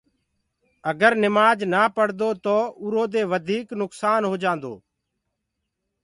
اگر نمآج نآ پڙدو تو اُرو دي وڌيٚڪ نُڪسآن هو جآندو